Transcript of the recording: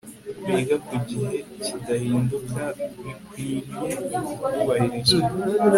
Kurya ku gihe kidahinduka bikwiriye kubahirizwa